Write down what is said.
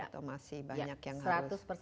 atau masih banyak yang harus